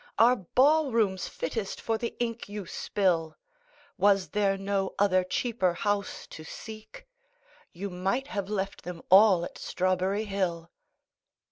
Are ball rooms fittest for the ink you spill? Was there no other cheaper house to seek? You might have left them all at Strawberry Hill.